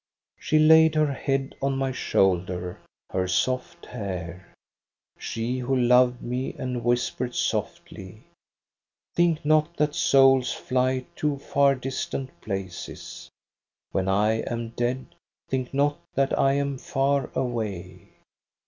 "She laid her head on my shoulder, her soft hair, She, who loved me, and whispered softly :* Think not that souls fly to far distant places ; When I am dead, think not that I am far away.